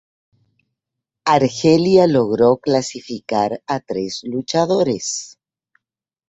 Argelia logró clasificar a tres luchadores.